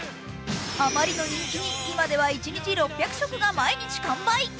あまりの人気に、今では一日６００食が毎日完売。